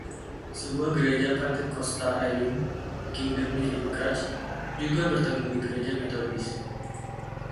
Sebuah Gereja Pantekosta Elim, Kingdom Living Church, juga bertemu di gereja Metodis.